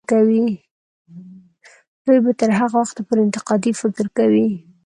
دوی به تر هغه وخته پورې انتقادي فکر کوي.